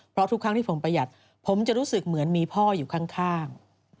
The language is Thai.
เพราะทุกครั้งที่ผมประหยัดผมจะรู้สึกเหมือนมีพ่ออยู่ข้าง